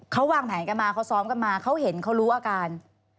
เขาวางแผนกันมาเขาซ้อมกันมาเขาเห็นเขารู้อาการ